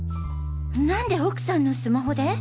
何で奥さんのスマホで？